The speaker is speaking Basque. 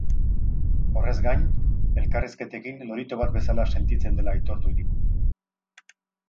Horrez gain, elkarrizketekin lorito bat bezala sentitzen dela aitortu digu.